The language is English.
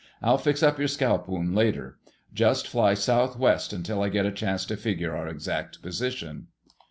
"I'll fix up your scalp wound later. Just fly southwest until I get a chance to figure our exact position."